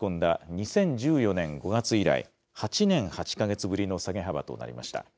２０１４年５月以来、８年８か月ぶりの下げ幅となりました。